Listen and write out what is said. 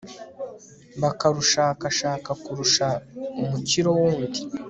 bakarushakashaka kurusha umukiro wundi